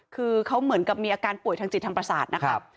คือเขาเหมือนกับมีอาการป่วยทางจิตทางประสาทนะครับ